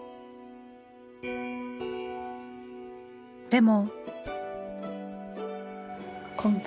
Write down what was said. でも。